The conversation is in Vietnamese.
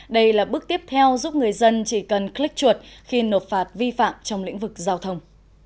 đây là bước tiếp theo giúp người dân chỉ cần click chuột khi nộp phạt vi phạm trong lĩnh vực giao thông